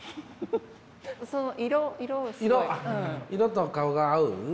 色と顔が合う？